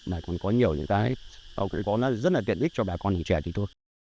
mà còn có nhiều những cái học kỹ thuật rất là tiện ích cho bà con trẻ thì thôi